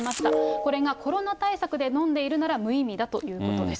これがコロナ対策で飲んでいるなら無意味だということです。